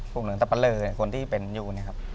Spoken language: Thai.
ฝุ่งเหลืองทัพปะเลอเนี่ยคนที่เป็นอยู่เนี่ยครับ